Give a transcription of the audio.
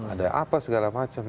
ada apa segala macem